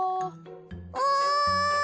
おい！